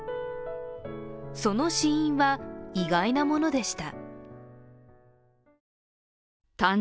その死因は意外なものでした。